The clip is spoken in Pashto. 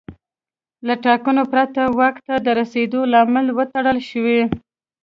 له ټاکنو پرته واک ته د رسېدو لارې وتړل شوې.